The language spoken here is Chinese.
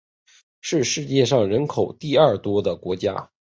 是世界上人口第二多的国家。